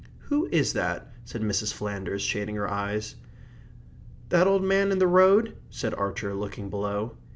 "Who is that?" said Mrs. Flanders, shading her eyes. "That old man in the road?" said Archer, looking below.